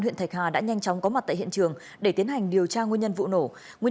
huyện thạch hà đã nhanh chóng có mặt tại hiện trường để tiến hành điều tra nguyên nhân vụ nổ nguyên